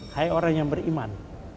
hai orang yang beriman